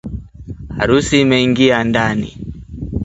Harusi imengia ndani